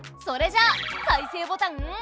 それじゃあ再生ボタン。